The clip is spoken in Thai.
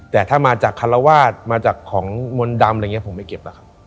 แต่ถ้ามาจากคารวาสมาจากของมนต์ดำอะไรอย่างนี้ผมไม่เก็บแล้วครับ